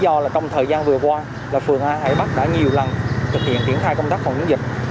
lý do là trong thời gian vừa qua là phường a hải bắc đã nhiều lần thực hiện triển thai công tác phòng chống dịch